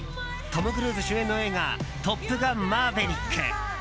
トム・クルーズ主演の映画「トップガンマーヴェリック」。